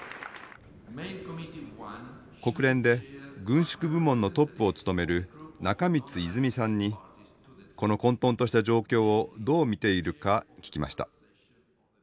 国連で軍縮部門のトップを務める中満泉さんにこの混とんとした状況をどう見ているか聞きました。